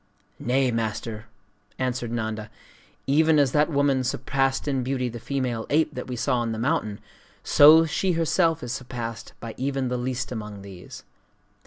'Nay, Master!' answered Nanda; 'even as that woman surpassed in beauty the female ape that we saw on the mountain, so is she herself surpassed by even the least among these.